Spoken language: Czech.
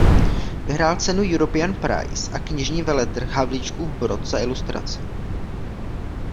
Vyhrál cenu European prize a Knižní veletrh Havlíčkův Brod za ilustraci.